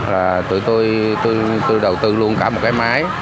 là tụi tôi đầu tư luôn cả một cái máy